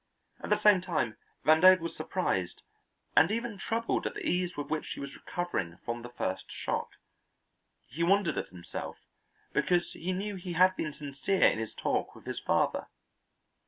At the same time Vandover was surprised and even troubled at the ease with which he was recovering from the first shock. He wondered at himself, because he knew he had been sincere in his talk with his father.